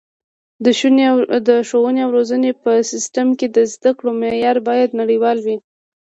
د ښوونې او روزنې په سیستم کې د زده کړو معیار باید نړیوال وي.